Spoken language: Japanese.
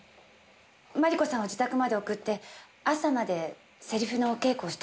麻理子さんを自宅まで送って朝までセリフのお稽古をしていました。